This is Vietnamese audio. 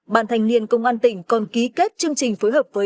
bàn thành niên công an tỉnh còn ký kết chương trình phối hợp với